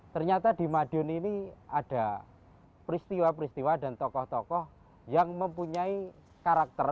ternyata di madiun ini ada peristiwa peristiwa dan tokoh tokoh yang mempunyai karakter